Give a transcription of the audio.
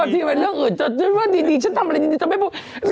ที่จะแกว่าอื่นว่าดีฉันทำอะไรดีจะไม่พูด